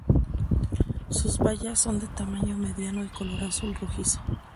Sus bayas son de tamaño mediano y color azul rojizo.